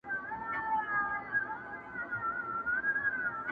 انسان بايد ځان وپېژني تل،